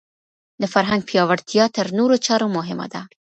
د فرهنګ پياوړتيا تر نورو چارو مهمه ده.